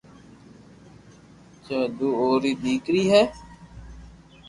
جانو اوري ديڪري ھي